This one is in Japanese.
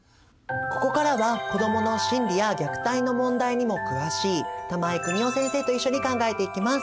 ここからは子どもの心理や虐待の問題にも詳しい玉井邦夫先生と一緒に考えていきます。